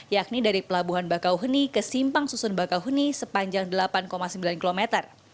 yakni dari pelabuhan bakauheni ke simpang susun bakahuni sepanjang delapan sembilan km